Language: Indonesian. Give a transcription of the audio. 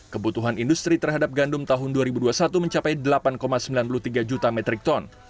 kebutuhan industri terhadap gandum tahun dua ribu dua puluh satu mencapai delapan sembilan puluh tiga juta metrik ton